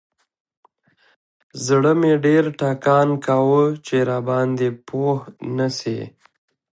زړه مې ډېر ټکان کاوه چې راباندې پوه نسي.